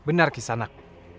benar kisah anak